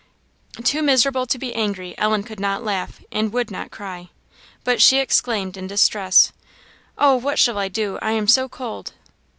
Too miserable to be angry, Ellen could not laugh, and would not cry, but she exclaimed, in distress "Oh, what shall I do! I am so cold!"